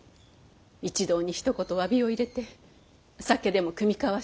一同にひと言詫びを入れて酒でも酌み交わしては。